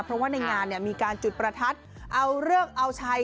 เพราะว่าในงานมีการจุดประทัดเอาเลิกเอาชัย